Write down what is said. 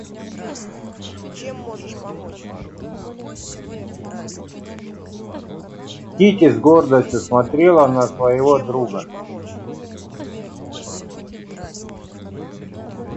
Кити с гордостью смотрела на своего друга.